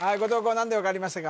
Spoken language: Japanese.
何で分かりましたか